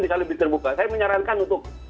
bisa lebih terbuka saya menyarankan untuk